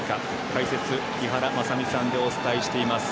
解説、井原正巳さんでお伝えしています。